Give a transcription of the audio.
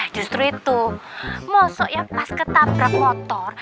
justru itu mosok ya pas ketabrak motor